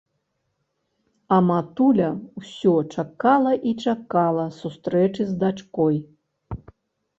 А матуля ўсе чакала і чакала сустрэчы з дачкой